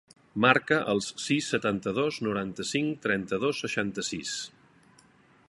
Marca el sis, setanta-dos, noranta-cinc, trenta-dos, seixanta-sis.